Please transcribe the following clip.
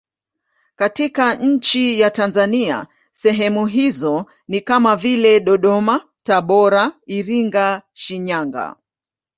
Katika nchi ya Tanzania sehemu hizo ni kama vile Dodoma, Tabora, Iringa, Shinyanga.